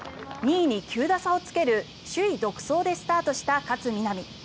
２位に９打差をつける首位独走でスタートした勝みなみ。